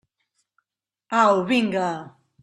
Au, vinga!